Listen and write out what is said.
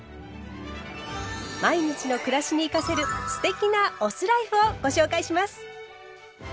毎日の暮らしに生かせる“酢テキ”なお酢ライフをご紹介します。